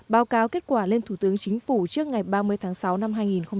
báo cáo kết quả lên thủ tướng chính phủ trước ngày ba mươi tháng sáu năm hai nghìn hai mươi